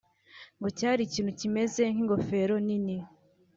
ngo cyari ikintu cyimeze nk’ingofero nini